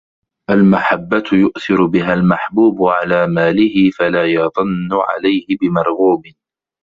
الْمَحَبَّةُ يُؤْثِرُ بِهَا الْمَحْبُوبُ عَلَى مَالِهِ فَلَا يَضَنُّ عَلَيْهِ بِمَرْغُوبٍ